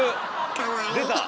かわいい。